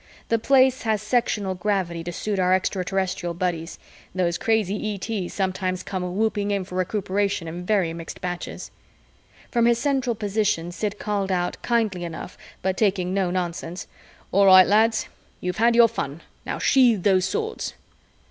The Place has sectional gravity to suit our Extraterrestrial buddies those crazy ETs sometimes come whooping in for recuperation in very mixed batches. From his central position, Sid called out, kindly enough but taking no nonsense, "All right, lads, you've had your fun. Now sheathe those swords."